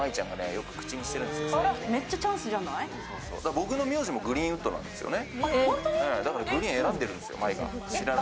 僕の名字もグリーンウッドなんですよね。